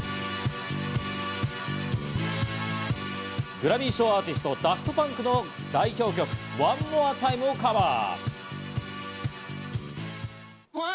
グラミー賞アーティスト、ダフト・パンクの代表曲『ＯｎｅＭｏｒｅＴｉｍｅ』をカバー。